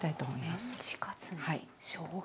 おメンチカツにしょうが。